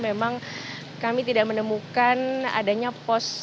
memang kami tidak menemukan adanya pos